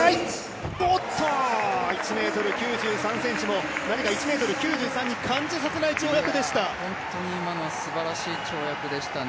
１ｍ９３ｃｍも、何か１ｍ９３に感じさせない跳躍でした。